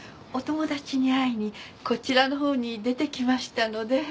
お友達に会いにこちらの方に出てきましたので。